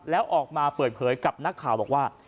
แล้วออกมาเปิดเผยกับนักข่าวบอกว่า